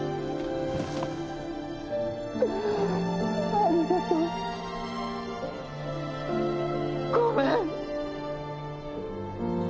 ありがとう。ごめん。